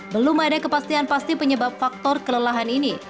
belum ada kepastian pasti penyebab faktor kelelahan ini